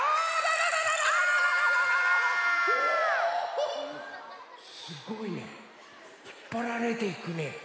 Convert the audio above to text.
おすごいねひっぱられていくね。